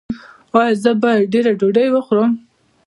ایا زه باید ډیره ډوډۍ وخورم؟